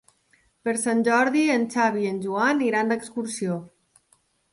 Per Sant Jordi en Xavi i en Joan iran d'excursió.